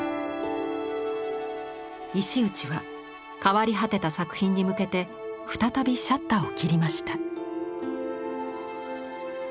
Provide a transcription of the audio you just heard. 石内は変わり果てた作品に向けて再びシャッターを切りました。